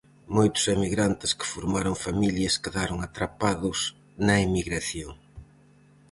Moitos emigrantes que formaron familias quedaron atrapados na emigración.